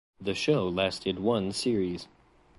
The show lasted one series.